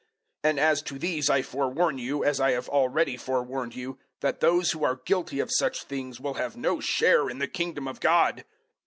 And as to these I forewarn you, as I have already forewarned you, that those who are guilty of such things will have no share in the Kingdom of God.